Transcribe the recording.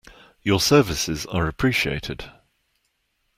Your services are appreciated.